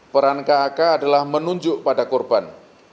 peran kak adalah menunjuk pada korban